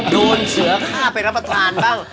โดนเสือฆ่าไปรับประทานบ้าง